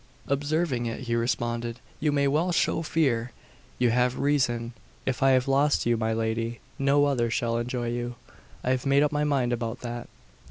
Observing it, he responded, "You may well show fear: you have reason. If I have lost you, my lady, no other shall enjoy you. I have made up my mind about that."